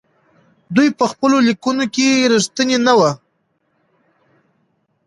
دوی په خپلو ليکنو کې رښتيني نه وو.